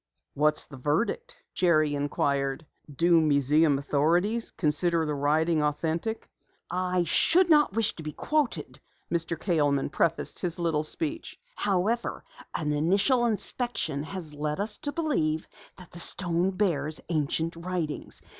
"What's the verdict?" Jerry inquired. "Do museum authorities consider the writing authentic?" "I should not wish to be quoted," Mr. Kaleman prefaced his little speech. "However, an initial inspection has led us to believe that the stone bears ancient writings.